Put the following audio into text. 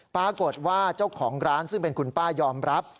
ปรากฏว่าเจ้าของร้านซึ่งเป็นคุณป้ายอมรับ